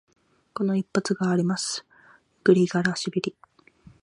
この一発があります、グリガラシビリ。